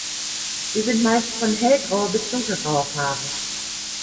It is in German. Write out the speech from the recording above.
Sie sind meist von hellgrauer bis dunkelgrauer Farbe.